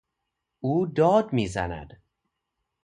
او داد میزند.